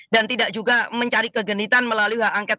dan tidak juga mencari kegenitan melalui hak angket